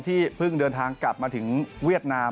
ที่เพิ่งเดินทางกลับมาถึงเวียดนาม